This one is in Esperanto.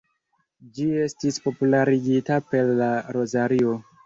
Ĝi estis popularigita per la rozario.